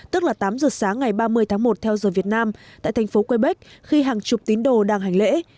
tức là tám giờ sáng ngày ba mươi tháng một theo giờ việt nam tại thành phố quebec khi hàng chục tín đồ đang hành lễ